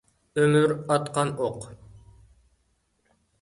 ئۆمۈر ئاتقان ئوق.